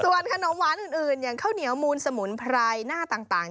ส่วนขนมหวานอื่นอย่างข้าวเหนียวมูลสมุนไพรหน้าต่าง